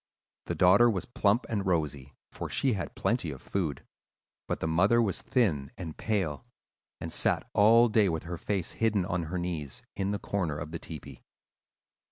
The daughter was plump and rosy, for she had plenty of food; but the mother was thin and pale, and sat all day with her face hidden on her knees, in the corner of the tepee.